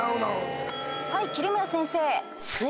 はい桐村先生。